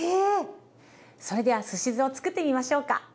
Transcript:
それではすし酢をつくってみましょうか。